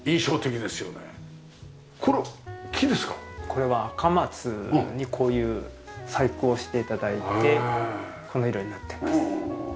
これはアカマツにこういう細工をして頂いてこの色になってます。